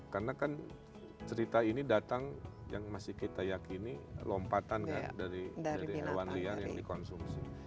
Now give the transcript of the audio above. karena kan cerita ini datang yang masih kita yakini lompatan kan dari hewan liang yang dikonsumsi